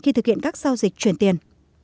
khi thực hiện các giao dịch chuyển tiền